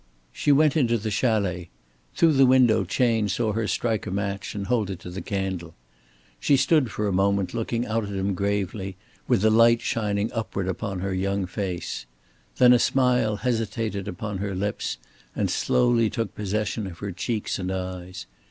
She went into the chalet. Through the window Chayne saw her strike a match and hold it to the candle. She stood for a moment looking out at him gravely, with the light shining upward upon her young face. Then a smile hesitated upon her lips and slowly took possession of her cheeks and eyes.